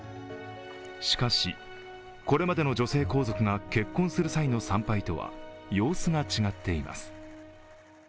しかし、これまでの女性皇族が結婚する際の参拝とは様子が違っています。